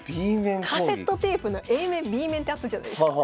カセットテープのＡ面Ｂ面ってあったじゃないですか。